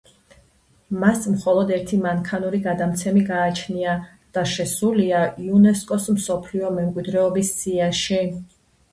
მას მხოლოდ ერთი მანქანური გადამცემი გააჩნია და შესულია იუნესკოს მსოფლიო მემკვიდრეობის სიაში.